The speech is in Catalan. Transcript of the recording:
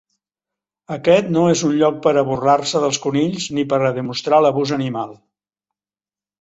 Aquest no és un lloc per a burlar-se dels conills ni per a demostrar l'abús animal.